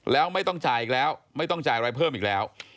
แล้วไม่ต้องจ่ายอีกแล้วไม่ต้องจ่ายอะไรเพิ่มอีกแล้ว